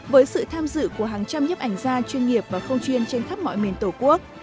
với sự tham dự của hàng trăm nhấp ảnh gia chuyên nghiệp và không chuyên trên khắp mọi miền tổ quốc